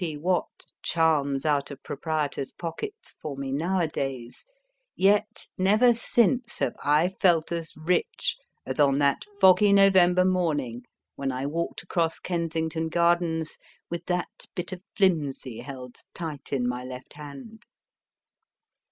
P. Watt charms out of proprietors pockets for me nowadays, yet never since have I felt as rich as on that foggy November morning when I walked across Kensington Gardens with that bit of flimsy held tight in my left hand.